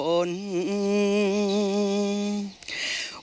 เห็นแก่โอปน